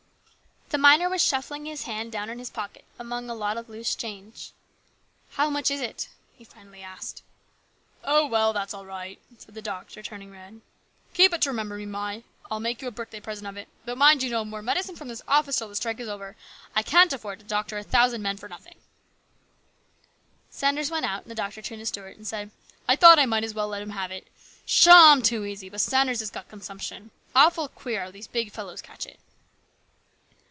The miner was shuffling his hand down in his pocket among a lot of loose change. " How much is it ?" he finally asked. "Oh, well, that's all right," said the doctor, turning red. " Keep it to remember me by. I'll make you a birthday present of it. But mind you, no more medicine from this office till the strike is over. I can't afford to doctor a thousand men for nothing." LARGE RESPONSIBILITIES. 49 Sanders went out, and the doctor turned to Stuart and said :" I thought I might as well let him have it. Pshaw ! I'm too easy. But Sanders has got consumption. Awful queer how these big fellows catch it."